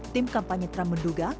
tim kampanye trump menduga